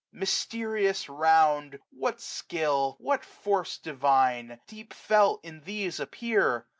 2a Mysterious round! what skill, what force divine. Deep felt, in these appear!